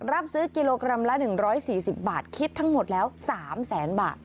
รับซื้อกิโลกรัมละ๑๔๐บาทคิดทั้งหมดแล้ว๓แสนบาท